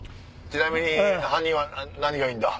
「ちなみに犯人は何がいいんだ？」。